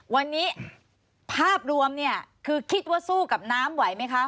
วันนี้ภาพรวมเนี่ยคือคิดว่าสู้กับน้ำไหวไหมคะ